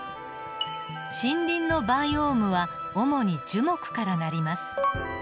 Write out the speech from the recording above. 森林のバイオームは主に樹木からなります。